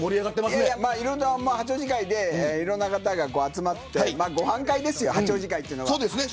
いろんな方が集まってご飯会です八王子会っていうのは。